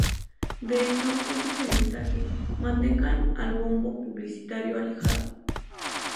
De hecho, ese es el mensaje: Mantengan al bombo publicitario alejado".